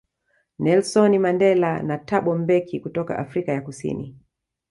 Nelsoni Mandela na Thabo Mbeki kutoka Afrika ya Kusini